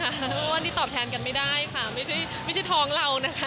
วันนี้ตอบแทนกันไม่ได้ค่ะไม่ใช่ท้องเรานะคะ